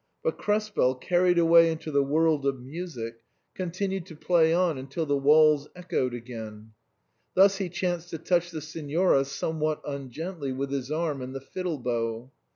But Krespel, carried away into the world of music, continued to play on until the walls echoed again ; thus he chanced to touch the Signora somewhat ungently with his arm and the fiddle bow.